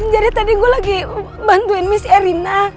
jadi tadi gue lagi bantuin miss erina